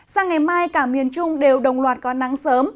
sang ngày mai cả miền trung đều đồng loạt có nắng sớm